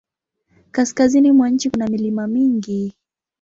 Kaskazini mwa nchi kuna milima mingi.